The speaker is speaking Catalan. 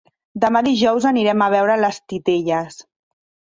Demà dijous anirem a veure les titelles.